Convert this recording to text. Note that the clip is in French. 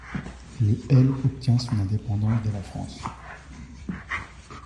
Le elle obtient son indépendance de la France.